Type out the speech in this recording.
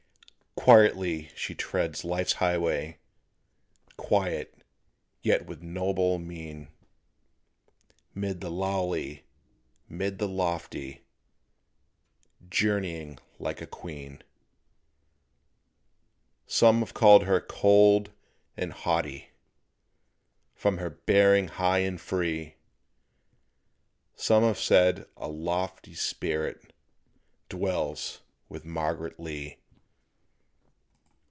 Quietly she treads life's highway; Quiet, yet with noble mien; 'Mid the lowly, 'mid the lofty Journeying like a queen. Some have called her cold and haughty, From her bearing, high and free; Some have said a lofty spirit Dwells with Margaret Lee.